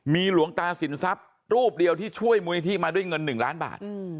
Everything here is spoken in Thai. มีหลวงตาสินทรัพย์รูปเดียวที่ช่วยมูลนิธิมาด้วยเงิน๑ล้านบาท